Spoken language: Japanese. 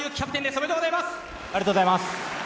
おめでとうございます。